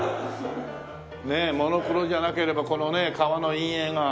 ねえモノクロじゃなければこのね川の陰影が。